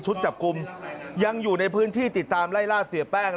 จับกลุ่มยังอยู่ในพื้นที่ติดตามไล่ล่าเสียแป้ง